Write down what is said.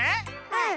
うん！